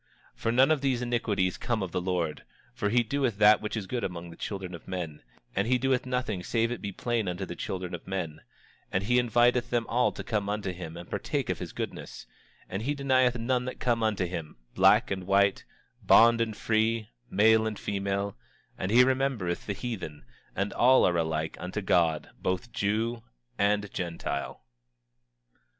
26:33 For none of these iniquities come of the Lord; for he doeth that which is good among the children of men; and he doeth nothing save it be plain unto the children of men; and he inviteth them all to come unto him and partake of his goodness; and he denieth none that come unto him, black and white, bond and free, male and female; and he remembereth the heathen; and all are alike unto God, both Jew and Gentile.